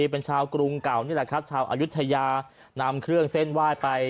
เป็นชาวกรุงเก่านี่แหละครับชาวอายุทยานำเครื่องเส้นไหว้ไป